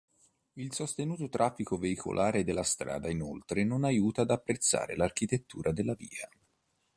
Il sostenuto traffico veicolare della strada inoltre non aiuta ad apprezzare l'architettura della via.